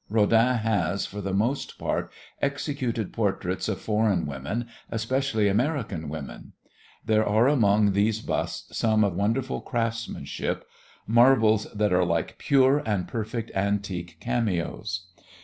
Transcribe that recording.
Rodin has, for the most part, executed portraits of foreign women, especially American women. There are among these busts some of wonderful craftsmanship, marbles that are like pure and perfect antique cameos.